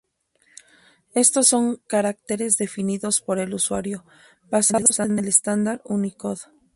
Éstos son caracteres definidos por el usuario, basados en el estándar Unicode.